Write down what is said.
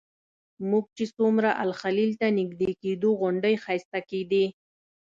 موږ چې څومره الخلیل ته نږدې کېدو غونډۍ ښایسته کېدې.